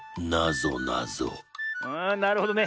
あなるほどね。